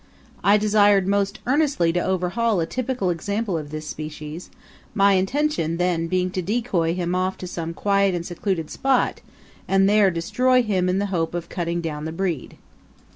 I desired most earnestly to overhaul a typical example of this species, my intention then being to decoy him off to some quiet and secluded spot and there destroy him in the hope of cutting down the breed.